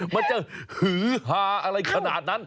มันจะหือหาอะไรขนาดนั้น